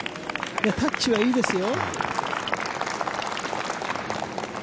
タッチはいいですよ。